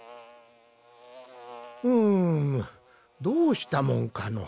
うむどうしたもんかのう。